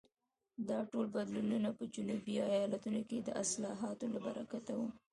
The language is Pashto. دا ټول بدلونونه په جنوبي ایالتونو کې د اصلاحاتو له برکته وو.